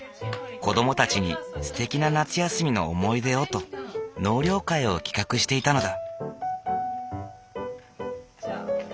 子どもたちにすてきな夏休みの思い出をと納涼会を企画していたのだ。